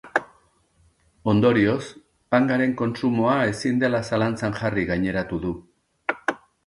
Ondorioz, pangaren kontsumoa ezin dela zalantzan jarri gaineratu du.